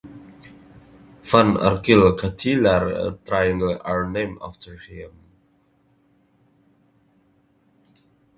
Van Arkel–Ketelaar triangles are named after him.